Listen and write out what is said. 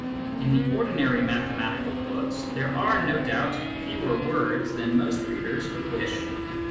In the ordinary mathematical books, there are no doubt fewer words than most readers would wish.